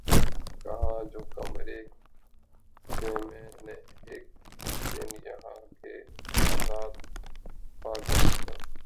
کہا جو قمری سے میں نے اک دن یہاں کے آزاد پاگل ہیں